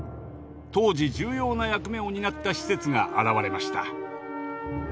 当時重要な役目を担った施設が現れました。